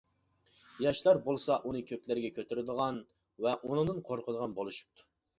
ياشلار بولسا ئۇنى كۆكلەرگە كۆتۈرىدىغان ۋە ئۇنىڭدىن قورقىدىغان بولۇشۇپتۇ.